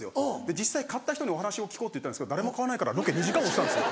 実際買った人にお話を聞こうっていったんですけど誰も買わないからロケ２時間押したんですよ。